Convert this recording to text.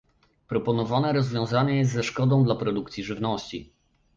Proponowane rozwiązanie jest ze szkodą dla produkcji żywności